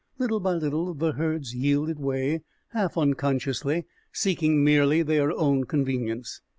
Little by little the herds yielded way, half unconsciously, seeking merely their own convenience.